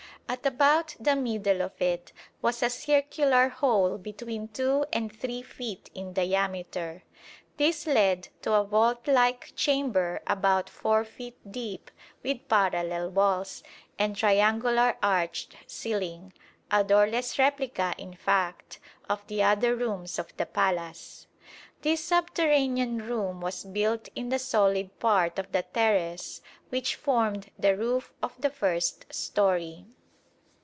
At about the middle of it was a circular hole between 2 and 3 feet in diameter. This led to a vault like chamber about 4 feet deep with parallel walls and triangular arched ceiling, a doorless replica, in fact, of the other rooms of the palace. This subterranean room was built in the solid part of the terrace which formed the roof of the first storey.